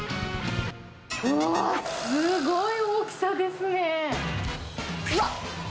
うわ、すごい大きさですね。